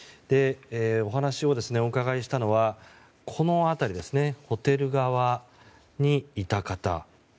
お話をお伺いしたのはホテル側にいた方。